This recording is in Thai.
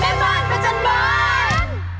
แม่บ้านประจันบอร์น